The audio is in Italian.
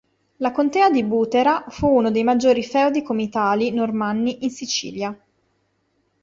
La contea di Butera fu uno dei maggiori feudi comitali normanni in Sicilia.